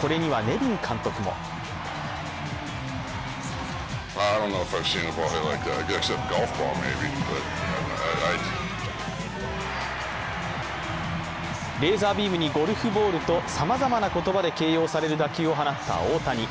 これにはネビン監督もレーザービームにゴルフボールとさまざまな言葉で形容される打球を放った大谷。